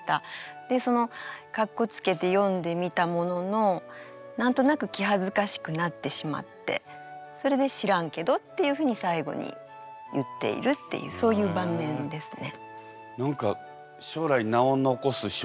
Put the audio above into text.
でかっこつけて詠んでみたものの何となく気恥ずかしくなってしまってそれで「知らんけど」っていうふうに最後に言っているっていうそういう場面ですね。